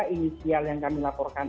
inisial yang kami laporkan